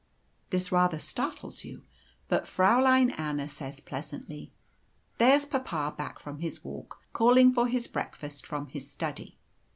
This rather startles you; but Fräulein Anna says, pleasantly, "There's papa back from his walk, calling for his breakfast from his study."